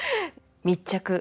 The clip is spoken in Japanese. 「密着！